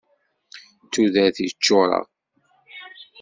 D tudert i ččureɣ.